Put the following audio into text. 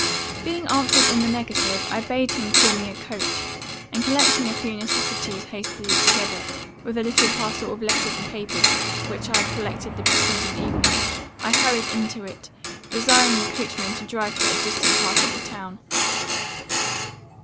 "Being answered in the negative, I bade him call me a coach, and collecting a few necessaries hastily together, with a little parcel of letters and papers which I had collected the preceding evening, I hurried into it, desiring the coachman to drive to a distant part of the town.